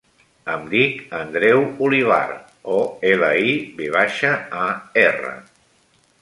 Em dic Andreu Olivar: o, ela, i, ve baixa, a, erra.